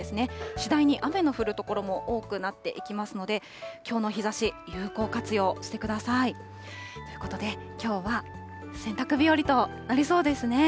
次第に雨の降る所も多くなっていきますので、きょうの日ざし、有効活用してください。ということで、きょうは洗濯日和となりそうですね。